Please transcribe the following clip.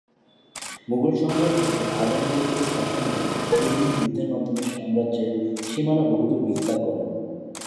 মুঘল সম্রাট হিসেবে আওরঙ্গজেবের শাসনামল বিভিন্ন যুদ্ধের মাধ্যমে সাম্রাজ্যের সীমানা বহুদূর বিস্তার করেন।